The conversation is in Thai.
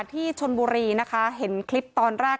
ที่ชนบุรีนะคะเห็นคลิปตอนแรก